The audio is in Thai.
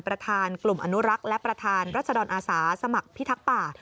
ประธานกลุ่มอนุรักษ์และประธานรัศดรอาสาสมัครพิทักษ์ป่า